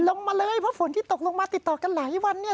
ลงมาเลยเพราะฝนที่ตกลงมาติดต่อกันหลายวันเนี่ย